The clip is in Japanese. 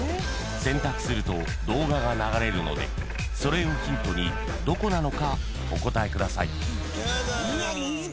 ［選択すると動画が流れるのでそれをヒントにどこなのかお答えください］やだ。